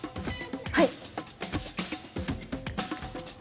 はい。